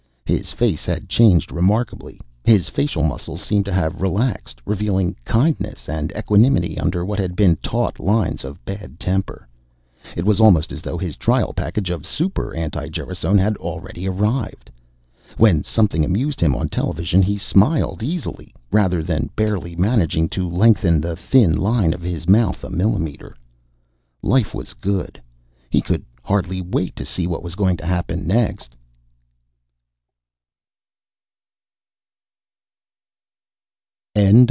His face had changed remarkably. His facial muscles seemed to have relaxed, revealing kindness and equanimity under what had been taut lines of bad temper. It was almost as though his trial package of Super anti gerasone had already arrived. When something amused him on television, he smiled easily, rather than barely managing to lengthen the thin line of his mouth a millimeter. Life was good. He could hardly wait to see what was going to happen next.